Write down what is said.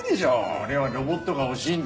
俺はロボットが欲しいんだ。